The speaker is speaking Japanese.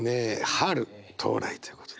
春到来ということで。